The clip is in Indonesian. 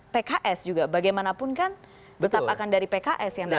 pks juga bagaimanapun kan tetap akan dari pks yang datang